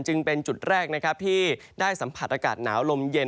จึงเป็นจุดแรกนะครับที่ได้สัมผัสอากาศหนาวลมเย็น